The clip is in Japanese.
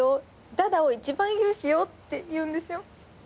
ダダを一番ぎゅうしよう」って言うんですよ。